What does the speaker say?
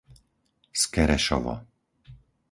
Skerešovo